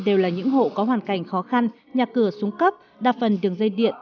đều là những hộ có hoàn cảnh khó khăn nhà cửa súng cấp đa phần đường dây điện